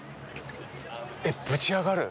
えっぶちあがる。